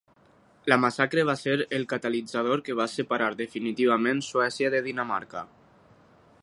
La massacre va ser el catalitzador que va separar definitivament Suècia de Dinamarca.